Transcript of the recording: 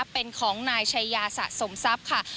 เป็นของนายชายาสะสมทรัพย์ค่ะ